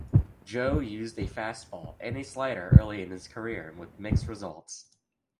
Joe used a fastball and a slider early in his career, with mixed results.